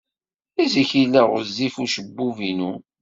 Zik yella ɣezzif ucebbub-inu.